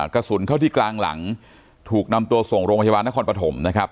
กระสุนเข้าที่กลางหลังถูกนำตัวส่งโรงพยาบาลนครปฐมนะครับ